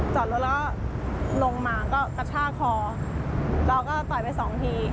จอดรถแล้วลงมาก็กระชากคอแล้วก็ต่อยไปสองที